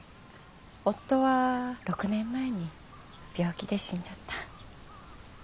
夫は６年前に病気で死んじゃった。